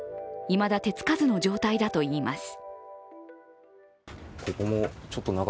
いまだ手つかずの状態だといいます。